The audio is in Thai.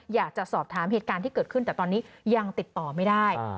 อยากจะสอบถามเหตุการณ์ที่เกิดขึ้นแต่ตอนนี้ยังติดต่อไม่ได้